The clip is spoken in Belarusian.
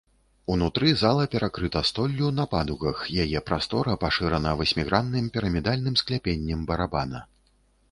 Унутры зала перакрыта столлю на падугах, яе прастора пашырана васьмігранным пірамідальным скляпеннем барабана.